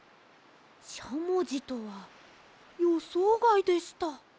しゃもじとはよそうがいでした。